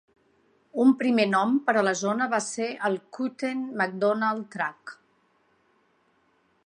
Un primer nom per a la zona va ser el Cutten-McDonald Tract.